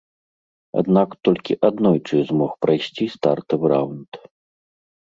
Аднак толькі аднойчы змог прайсці стартавы раўнд.